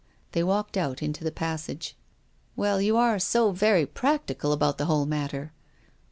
" They walked out into the passage. " Well, you are so very practical about the whole matter."